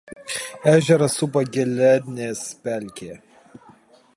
Ežerą supa Gelednės pelkė.